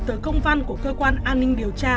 từ công văn của cơ quan an ninh điều tra